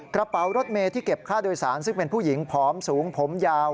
กระเป๋ารถเมย์ที่เก็บค่าโดยสารซึ่งเป็นผู้หญิงผอมสูงผมยาว